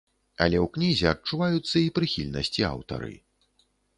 Але ў кнізе адчуваюцца і прыхільнасці аўтары.